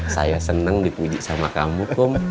saya seneng dipuji sama kamu kum